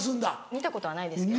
見たことはないですけど。